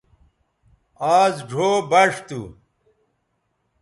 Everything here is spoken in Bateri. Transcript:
آز ڙھو بݜ تھو